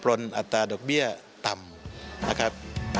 รอนอัตราดอกเบี้ยต่ำนะครับ